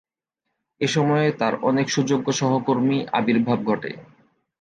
এ সময়ে তার অনেক সুযোগ্য সহকর্মী আবির্ভাব ঘটে।